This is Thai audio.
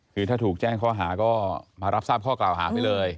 คือถ้าถูกแจ้งข้อหาก็มารับทราบข้อกล่าวหาไปเลย